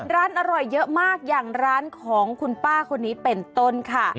อร่อยเยอะมากอย่างร้านของคุณป้าคนนี้เป็นต้นค่ะ